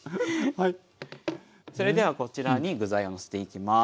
それではこちらに具材をのせていきます。